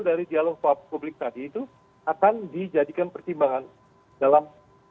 dari dialog publik tadi itu akan dijadikan pertimbangan dalam